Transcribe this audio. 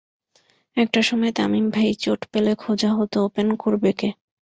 একটা সময় তামিম ভাই চোট পেলে খোঁজা হতো ওপেন করবে কে।